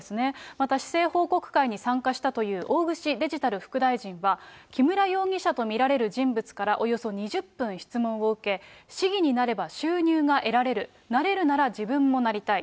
また市政報告会に参加したという大串デジタル副大臣は、木村容疑者と見られる人物からおよそ２０分質問を受け、市議になれば収入が得られる、なれるなら自分もなりたい。